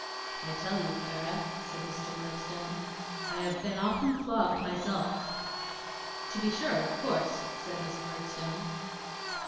'I tell you, Clara,' said Mr. Murdstone, 'I have been often flogged myself.' 'To be sure; of course,' said Miss Murdstone.